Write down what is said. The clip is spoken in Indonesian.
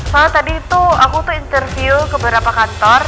soalnya tadi itu aku tuh interview ke beberapa kantor